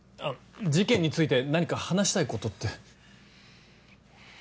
事件について何か話したいことって？